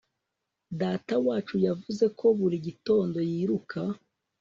Datawacu yavuze ko buri gitondo yiruka